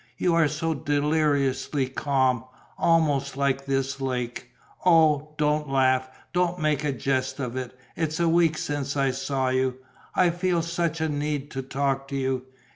You are so deliriously calm, almost like this lake. Oh, don't laugh, don't make a jest of it: it's a week since I saw you, I feel such a need to talk to you!